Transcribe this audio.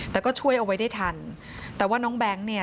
แต่ก็ช่วยเอาไว้ได้ทันแต่ว่าน้องแบงค์เนี่ย